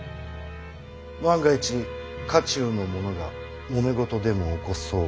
万が一家中の者がもめ事でも起こそうものなら。